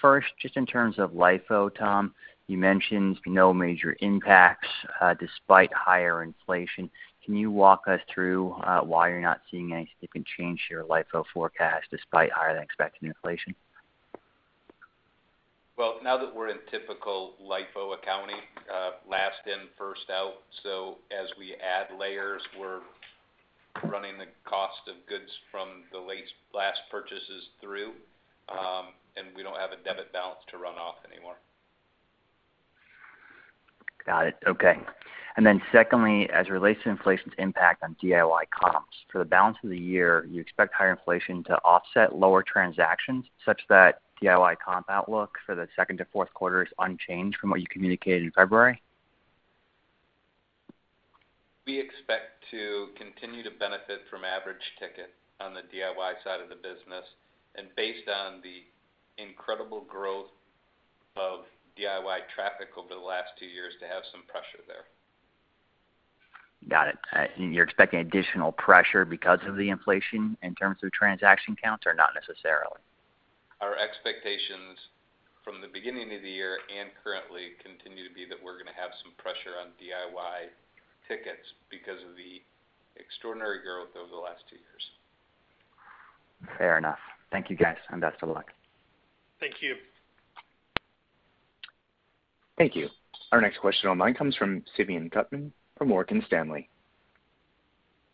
First, just in terms of LIFO, Tom, you mentioned no major impacts, despite higher inflation. Can you walk us through why you're not seeing any significant change to your LIFO forecast despite higher-than-expected inflation? Well, now that we're in typical LIFO accounting, last in, first out, so as we add layers, we're running the cost of goods from the last purchases through, and we don't have a debit balance to run off anymore. Got it. Okay. Secondly, as it relates to inflation's impact on DIY comps, for the balance of the year, you expect higher inflation to offset lower transactions such that DIY comp outlook for the second to Q4 is unchanged from what you communicated in February? We expect to continue to benefit from average ticket on the DIY side of the business and based on the incredible growth of DIY traffic over the last two years to have some pressure there. Got it. You're expecting additional pressure because of the inflation in terms of transaction counts, or not necessarily? Our expectations from the beginning of the year and currently continue to be that we're gonna have some pressure on DIY tickets because of the extraordinary growth over the last two years. Fair enough. Thank you, guys, and best of luck. Thank you. Thank you. Our next question online comes from Simeon Gutman from Morgan Stanley.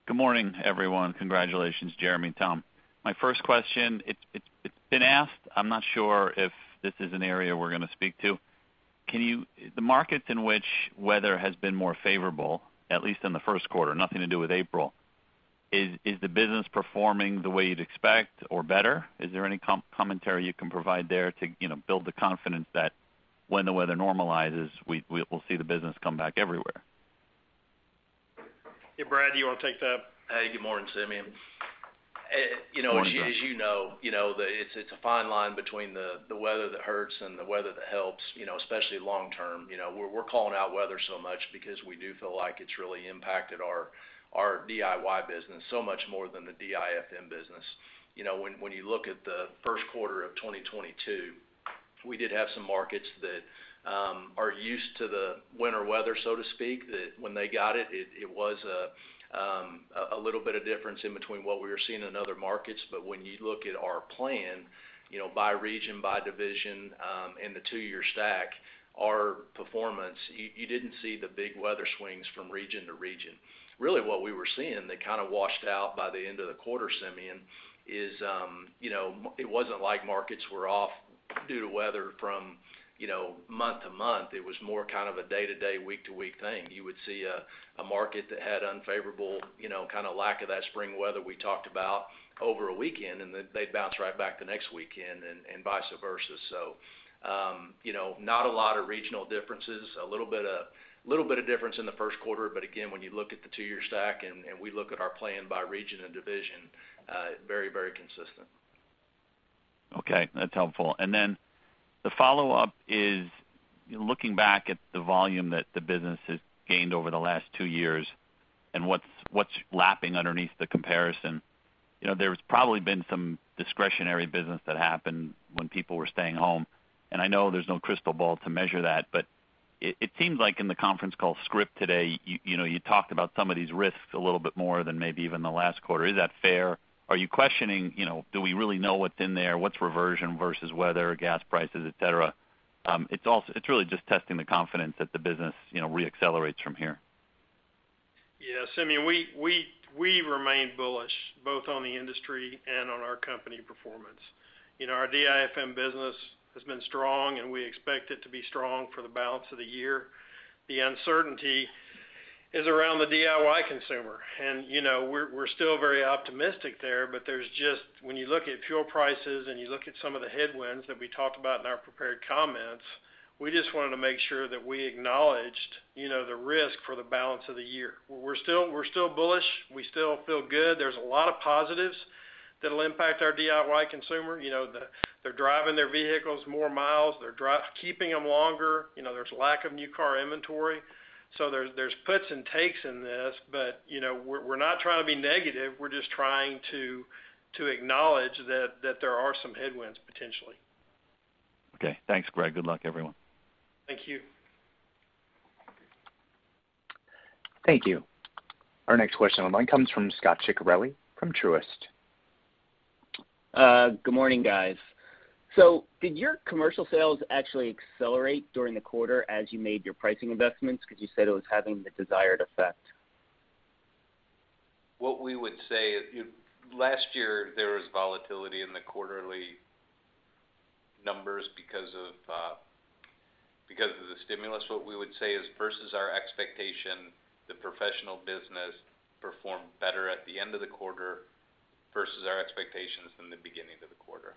Good morning, everyone. Congratulations, Jeremy and Tom. My first question, it's been asked. I'm not sure if this is an area we're gonna speak to. The markets in which weather has been more favorable, at least in the Q1, nothing to do with April, is the business performing the way you'd expect or better? Is there any commentary you can provide there to build the confidence that when the weather normalizes, we'll see the business come back everywhere? Hey, Brad, do you wanna take that? Hey, good morning, Simeon. Morning, Brad. As you know, it's a fine line between the weather that hurts and the weather that helps, especially long term. You know, we're calling out weather so much because we do feel like it's really impacted our DIY business so much more than the DIFM business. You know, when you look at the Q1 of 2022, we did have some markets that are used to the winter weather, so to speak, that when they got it was a little bit of difference in between what we were seeing in other markets. When you look at our plan, by region, by division, and the two-year stack, our performance, you didn't see the big weather swings from region to region. Really what we were seeing that kind of washed out by the end of the quarter, Simeon, is, it wasn't like markets were off due to weather from, month to month. It was more kind of a day to day, week to week thing. You would see a market that had unfavorable, kinda lack of that spring weather we talked about over a weekend, and then they'd bounce right back the next weekend and vice versa. You know, not a lot of regional differences, a little bit, little bit of difference in the Q1. But again, when you look at the two-year stack and we look at our plan by region and division, very, very consistent. Okay. That's helpful. The follow-up is, looking back at the volume that the business has gained over the last two years and what's lapping underneath the comparison, there's probably been some discretionary business that happened when people were staying home. I know there's no crystal ball to measure that, but it seems like in the conference call script today, you talked about some of these risks a little bit more than maybe even the last quarter. Is that fair? Are you questioning, do we really know what's in there? What's reversion versus weather, gas prices, et cetera? It's really just testing the confidence that the business, re-accelerates from here. Yes. I mean, we remain bullish both on the industry and on our company performance. You know, our DIFM business has been strong, and we expect it to be strong for the balance of the year. The uncertainty is around the DIY consumer. You know, we're still very optimistic there, but there's just, when you look at fuel prices and you look at some of the headwinds that we talked about in our prepared comments, we just wanted to make sure that we acknowledged, the risk for the balance of the year. We're still bullish. We still feel good. There's a lot of positives that'll impact our DIY consumer. You know, they're driving their vehicles more miles. They're keeping them longer. You know, there's lack of new car inventory. There's puts and takes in this, but we're not trying to be negative. We're just trying to acknowledge that there are some headwinds potentially. Okay, thanks, Greg. Good luck everyone. Thank you. Thank you. Our next question online comes from Scot Ciccarelli from Truist. Good morning, guys. Did your commercial sales actually accelerate during the quarter as you made your pricing investments? Because you said it was having the desired effect. What we would say is, last year there was volatility in the quarterly numbers because of the stimulus. What we would say is versus our expectation, the professional business performed better at the end of the quarter versus our expectations in the beginning of the quarter.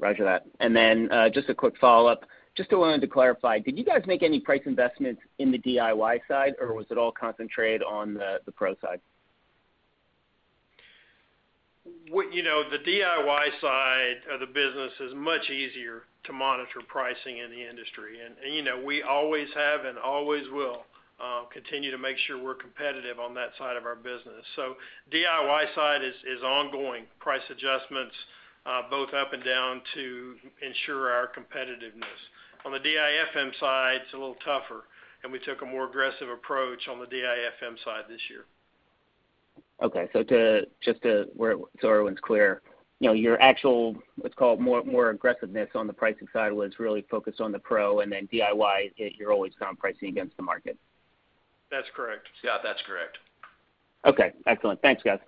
Roger that. Just a quick follow-up. Just wanted to clarify, did you guys make any price investments in the DIY side, or was it all concentrated on the pro side? You know, the DIY side of the business is much easier to monitor pricing in the industry. You know, we always have and always will continue to make sure we're competitive on that side of our business. DIY side is ongoing price adjustments both up and down to ensure our competitiveness. On the DIFM side, it's a little tougher, and we took a more aggressive approach on the DIFM side this year. Okay. Everyone's clear, your actual, let's call it more aggressiveness on the pricing side was really focused on the pro and then DIY, you're always kind of pricing against the market. That's correct. Yeah. That's correct. Okay, excellent. Thanks, guys.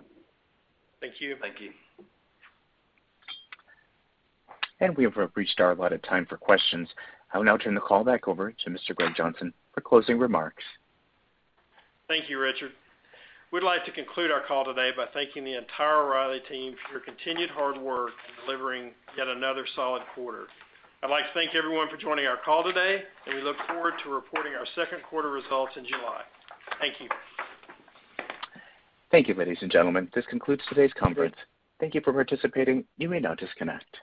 Thank you. Thank you. We have reached our allotted time for questions. I will now turn the call back over to Mr. Greg Johnson for closing remarks. Thank you, Richard. We'd like to conclude our call today by thanking the entire O'Reilly team for your continued hard work in delivering yet another solid quarter. I'd like to thank everyone for joining our call today, and we look forward to reporting our Q2 results in July. Thank you. Thank you, ladies and gentlemen. This concludes today's conference. Thank you for participating. You may now disconnect.